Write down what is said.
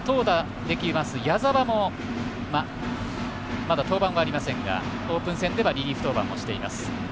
二刀流、投打できます矢澤もまだ登板はありませんがオープン戦ではリリーフ登板もしています。